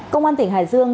công an tỉnh hải dương